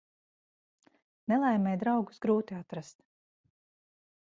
Nelaimē draugus grūti atrast.